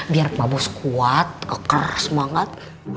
biar pak bos kuat keker semangat